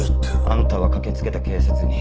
あんたは駆けつけた警察に。